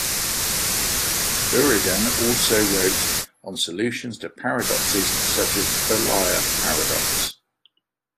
Buridan also wrote on solutions to paradoxes such as the liar paradox.